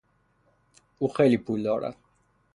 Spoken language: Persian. او خیلی پول دارد.